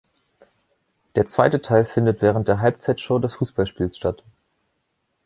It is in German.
Der zweite Teil findet während der Halbzeitshow des Fussballspiels statt.